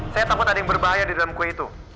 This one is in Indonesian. saya takut ada yang berbahaya di dalam kue itu